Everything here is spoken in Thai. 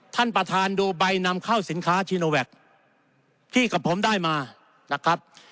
ท่านประธานดูใบนำเข้าสินค้าชีโนแวคที่กับผมได้มานะครับ